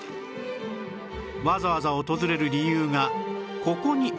わざわざ訪れる理由がここにありました